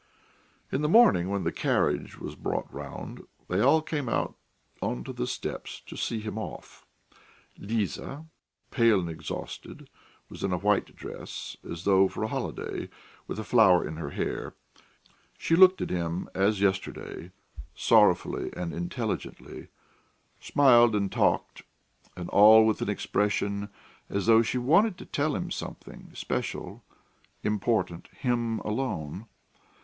In the morning when the carriage was brought round they all came out on to the steps to see him off. Liza, pale and exhausted, was in a white dress as though for a holiday, with a flower in her hair; she looked at him, as yesterday, sorrowfully and intelligently, smiled and talked, and all with an expression as though she wanted to tell him something special, important him alone.